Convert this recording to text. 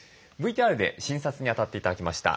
ＶＴＲで診察にあたって頂きました